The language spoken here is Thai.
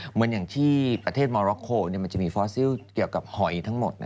เหมือนอย่างที่ประเทศมอร็อกโคลมันจะมีฟอสซิลเกี่ยวกับหอยทั้งหมด